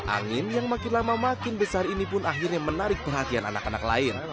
angin yang makin lama makin besar ini pun akhirnya menarik perhatian anak anak lain